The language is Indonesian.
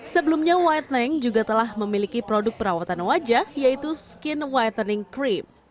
sebelumnya whiten juga telah memiliki produk perawatan wajah yaitu skin whitening cream